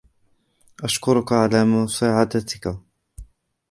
أشكرك على مساعدتك